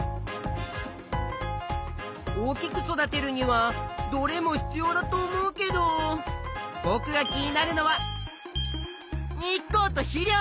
大きく育てるにはどれも必要だと思うけどぼくが気になるのは日光と肥料。